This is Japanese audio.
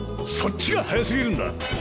そっちが早過ぎるんだ！